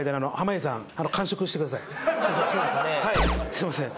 すいません。